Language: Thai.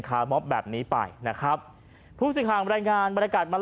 คาร์มอบแบบนี้ไปนะครับผู้สิทธิ์ค้างบรรยายงานบรรยากาศมา